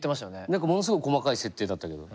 何かものすごい細かい設定だったけど。